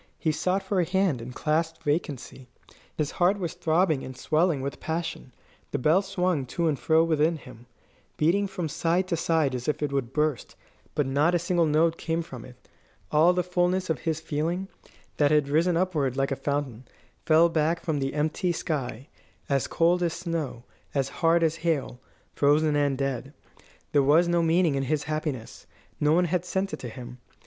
He sought for a hand, and clasped vacancy. His heart was throbbing and swelling with passion; the bell swung to and fro within him, beating from side to side as if it would burst; but not a single note came from it. All the fulness of his feeling, that had risen upward like a fountain, fell back from the empty sky, as cold as snow, as hard as hail, frozen and dead. There was no meaning in his happiness. No one had sent it to him.